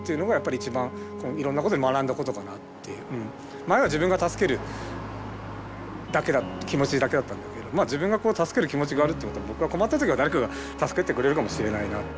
前は自分が助ける気持ちだけだったんだけど自分が助ける気持ちがあるっていうことは僕が困った時は誰かが助けてくれるかもしれないなって。